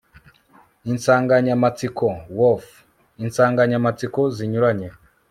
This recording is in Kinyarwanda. insanganyamatsiko woof insanganyamatsiko zinyuranye